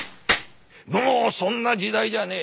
もうそんな時代じゃねえ。